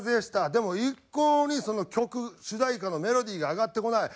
でも一向にその曲主題歌のメロディーが上がってこない。